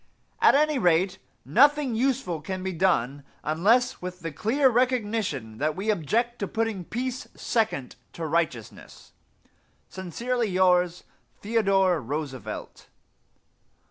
At any rate nothing useful can be done unless with the clear recognition that we object to putting peace second to righteousness. Sincerely yours, THEODORE ROOSEVELT.